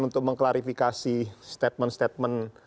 untuk mengklarifikasi statement statement